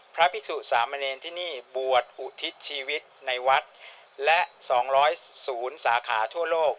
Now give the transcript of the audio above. พระพิสุสามเณรที่นี่บวชอุทิศชีวิตในวัดและ๒๐สาขาทั่วโลก